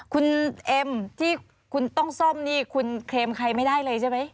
คุณเอ็มที่คุณต้องซ่อมนี่คุณเคลมใครไม่ได้เลยใช่ไหม